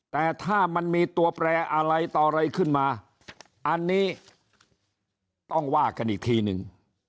แต่ถ้ามันมีตัวแปรอะไรต่ออะไรขึ้นมาอันนี้ต้องว่ากันอีกทีนึง